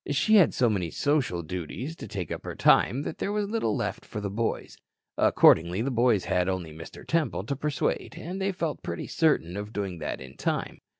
She had so many social duties to take up her time that there was little left for the boys. Accordingly, the boys had only Mr. Temple to persuade and they felt pretty certain of doing that in time.